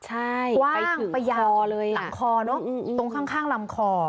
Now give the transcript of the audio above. กว้างไปอย่างหลังคอเนอะตรงข้างลำคอ